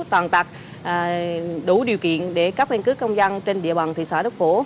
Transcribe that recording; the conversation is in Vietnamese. toàn tật đủ điều kiện để cấp căn cước công dân trên địa bàn thị xã đức phổ